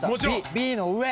Ｂの上。